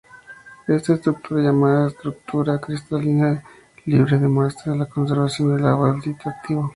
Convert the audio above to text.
Esta estructura llamada estructura cristalina libre demuestra la conservación del agua del sitio activo.